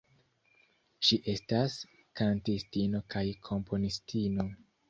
Ŝi estas kantistino kaj komponistino.